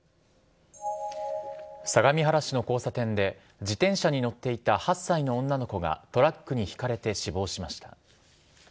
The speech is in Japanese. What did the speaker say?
相模原市の交差点で、自転車に乗っていた８歳の女の子がトラックにひかれて死亡しました。